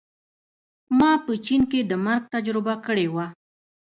ما په چین کې د مرګ تجربه کړې وه